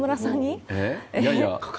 いやいや。